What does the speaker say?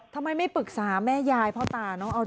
ทำไมไม่ปรึกษาแม่ยายพ่อตาน้องเอา